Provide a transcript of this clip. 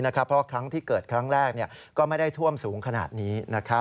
เพราะครั้งที่เกิดครั้งแรกก็ไม่ได้ท่วมสูงขนาดนี้